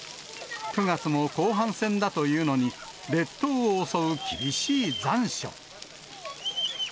９月も後半戦だというのに、列島を襲う厳しい残暑。